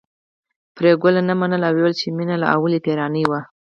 پري ګلې نه منله او ويل يې چې مينه له اوله پيريانۍ وه